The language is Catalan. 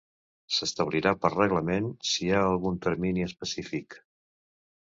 S'establirà per reglament si hi ha algun termini específic.